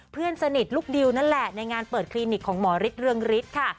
เพื่อนสนิทลูกดิวนั่นแหละในงานเปิดคลินิกของหมอฤทธิเรืองฤทธิ์ค่ะ